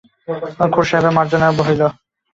খুড়াসাহেবের মার্জনা হইল।